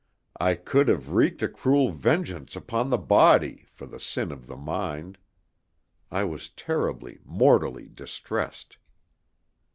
I could have wreaked a cruel vengeance upon the body for the sin of the mind. I was terribly, mortally distressed.